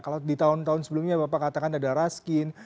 kalau di tahun tahun sebelumnya bapak katakan ada raskin